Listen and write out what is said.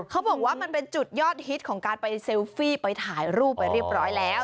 เขาบอกว่ามันเป็นจุดยอดฮิตของการไปเซลฟี่ไปถ่ายรูปไปเรียบร้อยแล้ว